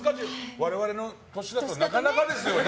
我々の年だとなかなかですよね。